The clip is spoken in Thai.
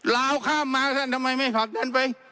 ลาวข้ามมาท่านทำไมไม่ผลักดันไป